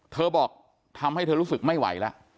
บอกทำให้เธอรู้สึกไม่ไหวแล้ว